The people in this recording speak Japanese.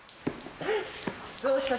どうした？